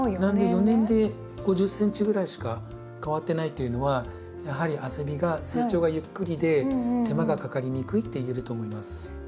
４年で５０ｃｍぐらいしか変わってないというのはやはりアセビが成長がゆっくりで手間がかかりにくいっていえると思います。